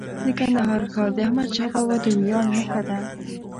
د کندهار ښار د احمدشاه بابا د ویاړ نښه ده.